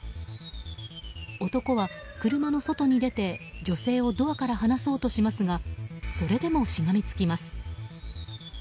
男は車の外に出て女性をドアから離そうとしますがそれでも、しがみつきます。